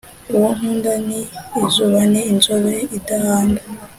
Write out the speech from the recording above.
Uwo nkunda ni izuba, ni inzobe idahanda,